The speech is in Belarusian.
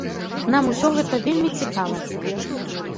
Нам усё гэта вельмі цікава.